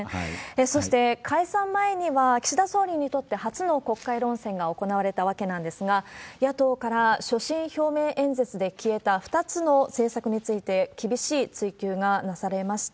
そして、解散前には岸田総理にとって初の国会論戦が行われたわけなんですが、野党から、所信表明演説で消えた２つの政策について、厳しい追及がなされました。